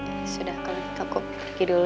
ya sudah kalau gitu aku pergi dulu